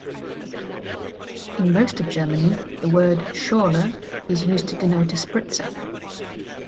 In most of Germany, the word "Schorle" is used to denote a Spritzer.